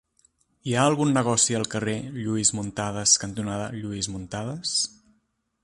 Hi ha algun negoci al carrer Lluís Muntadas cantonada Lluís Muntadas?